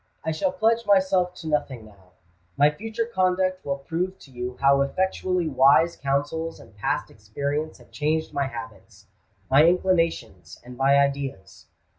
I shall pledge myself to nothing now: my future conduct will prove to you how effectually wise counsels and past experience have changed my habits, my inclinations, and my ideas.